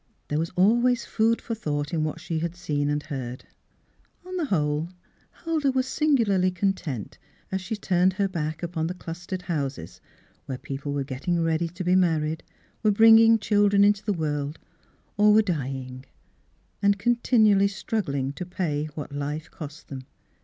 There was always food for thought in what she had seen and heard. On the whole, Huldah was singularly con tent, as she turned her back upon the clustered houses, where people were get ting ready to be married, were bringing [ 110] Miss Fhilura^s Wedding Gown children into the world, or were dying — and continually struggling to pay what life cost them.